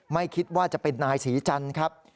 ไม่คิดว่าจะเป็นนายศรีจันทร์ครับ